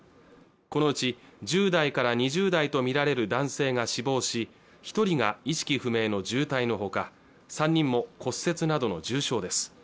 このうち１０代から２０代とみられる男性が死亡し一人が意識不明の重体のほか３人も骨折などの重傷です